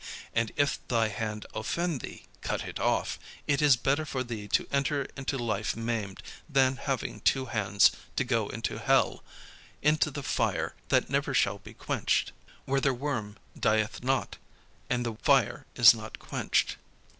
And if thy hand offend thee, cut it off: it is better for thee to enter into life maimed, than having two hands to go into hell, into the fire that never shall be quenched: where their worm dieth not, and the fire is not quenched.